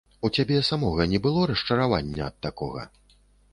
У цябе самога не было расчаравання ад такога?